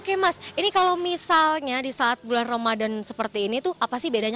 oke mas ini kalau misalnya di saat bulan ramadan seperti ini tuh apa sih bedanya